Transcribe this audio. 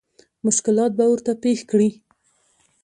مشکلات به ورته پېښ کړي.